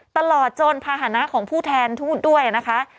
ตลอดจนภาษณะของผู้แทนทูตด้วยนะคะ